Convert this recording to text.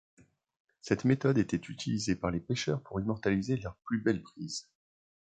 Cette méthode était utilisée par les pêcheurs pour immortaliser leurs plus belles prises.